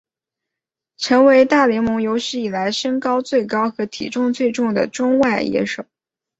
成为大联盟有史以来身高最高和体重最重的中外野手。